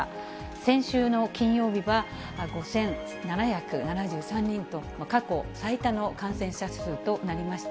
先週の金曜日は５７７３人と、過去最多の感染者数となりました。